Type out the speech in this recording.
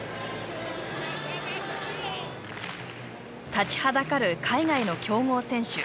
立ちはだかる海外の強豪選手。